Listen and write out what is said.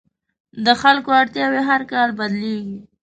د خلکو اړتیاوې هر کال بدلېږي.